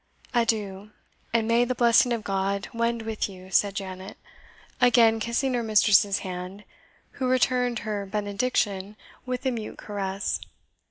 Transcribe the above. "Adieu, and may the blessing of God wend with you!" said Janet, again kissing her mistress's hand, who returned her benediction with a mute caress.